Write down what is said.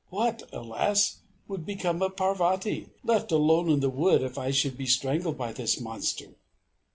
What, alas! would become of Parvati, left alone in the wood, if I should be strangled by this monster?